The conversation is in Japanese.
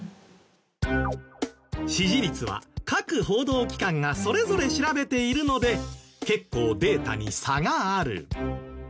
支持率は各報道機関がそれぞれ調べているので結構データに差がある。